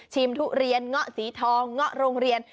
ทุเรียนเงาะสีทองเงาะโรงเรียน